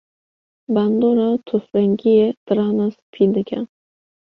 bandora tûfrengiyê diranan spî dike.